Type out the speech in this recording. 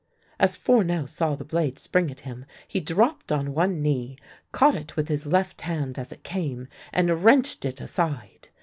As Fournel saw the blade spring at him, he dropped on one knee, caught it with his left hand as it came, and wrenched it aside.